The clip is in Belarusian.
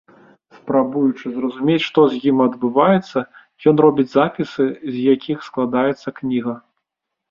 Спрабуючы зразумець, што з ім адбываецца, ён робіць запісы, з якіх і складаецца кніга.